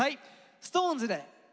ＳｉｘＴＯＮＥＳで「ふたり」。